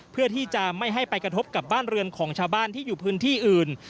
เพื่อที่จะไม่ให้ไปกระทบกับบ้านเรือนของชาวบ้านที่อยู่พื้นที่อื่น